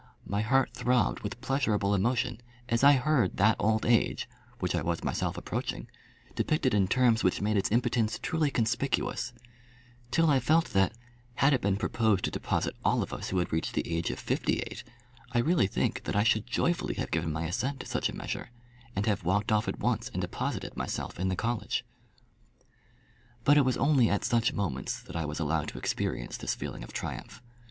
My heart throbbed with pleasureable emotion as I heard that old age, which I was myself approaching, depicted in terms which made its impotence truly conspicuous, till I felt that, had it been proposed to deposit all of us who had reached the age of fifty eight, I really think that I should joyfully have given my assent to such a measure, and have walked off at once and deposited myself in the college. But it was only at such moments that I was allowed to experience this feeling of triumph.